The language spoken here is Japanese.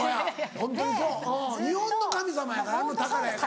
ホントにそう日本の神様やから宝やから。